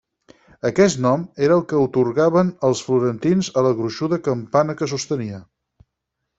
Aquest nom era el que atorgaven els florentins a la gruixuda campana que sostenia.